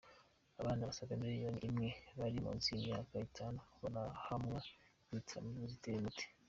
Abana basaga Miliyoni imwe bari munsi y’imyaka itanu barahabwa inzitiramibu ziteye umuti